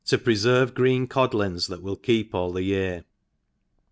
pre/erve Qreen Oodlings tjiaf will keep all the Tear.